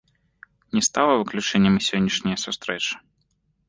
Не стала выключэннем і сённяшняя сустрэча.